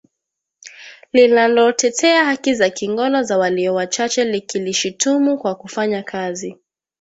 linalotetea haki za kingono za walio wachache likilishutumu kwa kufanya kazi